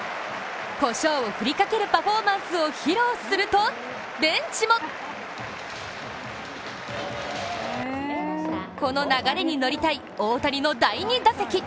こしょうをふりかけるパフォーマンスを披露すると、ベンチもこの流れに乗りたい大谷の第２打席。